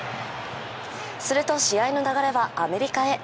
すると試合の流れはアメリカへ。